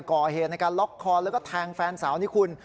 ก่อเหตุในการล็อกคอแล้วก็แทงแฟนสาวนี่คุณ